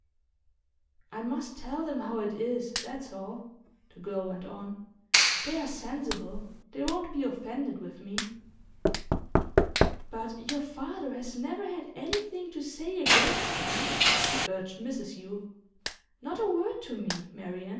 'I must tell them how it is, that's all,' the girl went on. 'They are sensible; they won't be offended with me.' 'But your father has never had anything to say against them,' urged Mrs Yule. 'Not a word to me, Marian.